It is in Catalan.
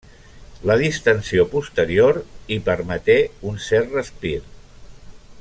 La distensió posterior hi permeté un cert respir.